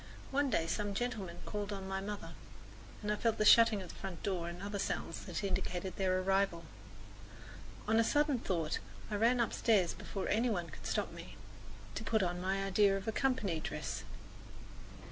One day some gentlemen called on my mother, and I felt the shutting of the front door and other sounds that indicated their arrival. On a sudden thought I ran upstairs before any one could stop me, to put on my idea of a company dress.